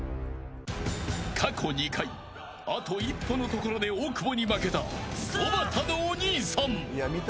過去２回、あと一歩のところで大久保に負けたおばたのお兄さん。